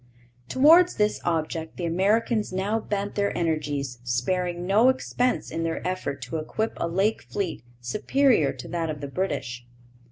Towards this object the Americans now bent their energies, sparing no expense in their effort to equip a lake fleet superior to that of the British.